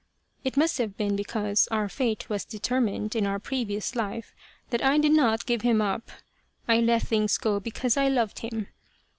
It must have been because our fate was deter mined in our previous life that I did not give him up. I let things go because I loved him.